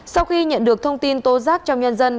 sau khi nhận được thông tin tố giác trong nhân dân